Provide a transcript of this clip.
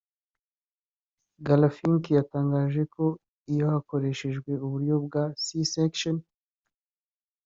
Garfinkel yagaragaje ko iyo hakoreshejwe uburyo bwa C-section